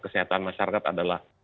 kesehatan masyarakat adalah